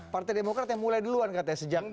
partai demokrat yang mulai duluan katanya